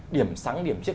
điểm sáng điểm chiếc